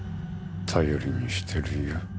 頼りにしてるよ